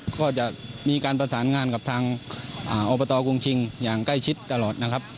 ก็จะมีการประสานงานกับทางอบตกรุงชิงอย่างใกล้ชิดตลอดนะครับ